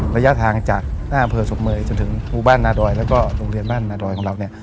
ระยะทางจากหน้าอำเภอศพเมยจนถึงภูบ้านนาดอยแล้วก็โรงเรียนบ้านนาดอยของเราเนี่ย